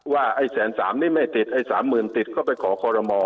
ว่าไอ้แสนสามนี่ไม่ติดไอ้สามหมื่นติดเข้าไปขอคอลโลมอ